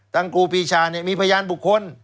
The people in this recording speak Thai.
ทางกูพีชามีพยานบุคคล